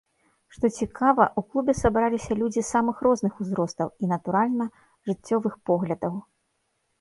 Што цікава, у клубе сабраліся людзі самых розных узростаў і, натуральна, жыццёвых поглядаў.